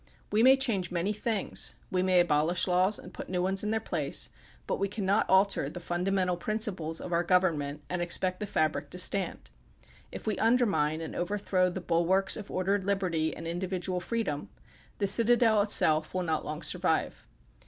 We may change many things, we may abolish laws and put new ones in then' place, but we cannot alter the fundamental principles of our government and expect the fabric to stand. If we undermine and overthrow the bulwarks of ordered liberty and individual freedom, the citadel itself will not long survive.